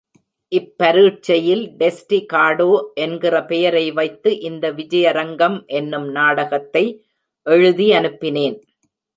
இப் பரீட்சையில் டெஸ்டி காடோ என்கிற பெயரை வைத்து இந்த விஜயரங்கம் என்னும் நாடகத்தை எழுதியனுப்பினேன்.